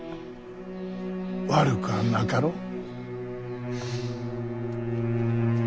悪くはなかろう。